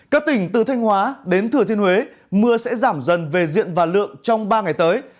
các tỉnh từ thanh hóa đến thừa thiên huế mưa sẽ giảm dần về diện và lượng trong ba ngày tới